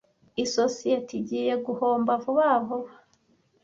Isosiyete igiye guhomba vuba vuba.